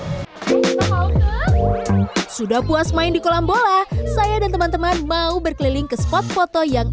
sudah puas main di kolam bola saya dan teman teman mau berkeliling ke spot foto yang